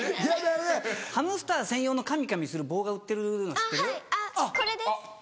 ハムスター専用のかみかみする棒が売ってるの知ってる？